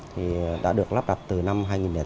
thì đã được lắp đặt từ năm hai nghìn tám